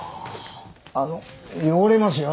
あの汚れますよ。